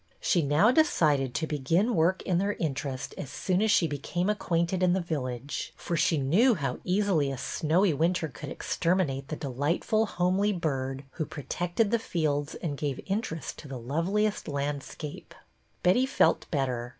She now de cided to begin work in their interest as soon as she became acquainted in the village, for she knew how easily a snowy winter could exter minate the delightful, homely bird who pro tected the fields and gave interest to the loveliest landscape. Betty felt better.